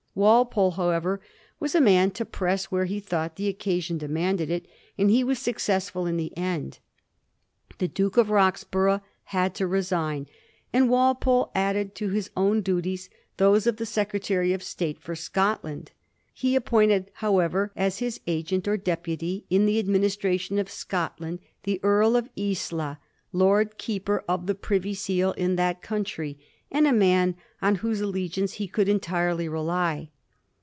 Walpole, however, was a man to press where he thought the occasion demanded it, and he was successful in the end. The Duke of Roxburgh had to resign, and Walpole added to his own duties those of the Secretary of State for Scotland. He appointed, however, as his agent or deputy in the administration of Scotland the Earl of Isla, Lord Keeper of the Privy Seal in that country, and a man on whose allegiance he could entirely rely.